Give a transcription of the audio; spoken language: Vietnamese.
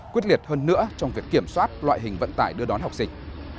quyết liệt hơn nữa trong việc kiểm soát loại hình vận tải đưa đón học sinh